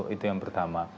itu yang pertama